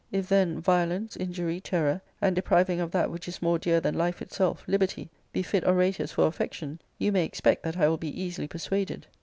If, then, violence, injury, terror, and depriving of that which is more dear than life itself— liberty — ^be fit orators for affection, you may expect that I will be easily persuaded.